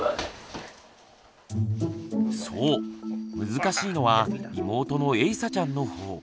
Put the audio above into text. そう難しいのは妹のえいさちゃんの方。